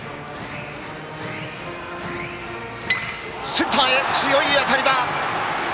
センターへ強い当たりだ！